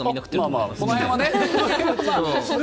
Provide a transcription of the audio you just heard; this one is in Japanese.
この辺はね。